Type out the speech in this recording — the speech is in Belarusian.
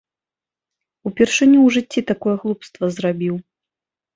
Упершыню ў жыцці такое глупства зрабіў.